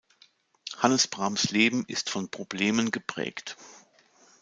Hannes Brahms Leben ist von Problemen geprägt.